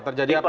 terjadi apa pak